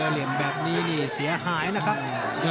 เหลี่ยมแบบนี้นี่เสียหายนะครับ